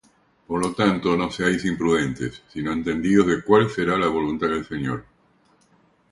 Por tanto, no seáis imprudentes, sino entendidos de cuál sea la voluntad del Señor.